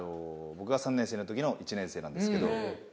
僕が３年生の時の１年生なんですけど。